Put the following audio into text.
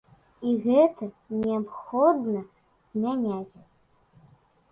І гэта неабходна змяняць.